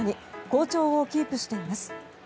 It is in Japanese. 好調をキープしています。